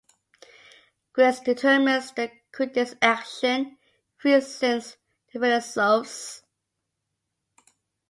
"Grace determines the Christian's action; reason the "philosophe"'s".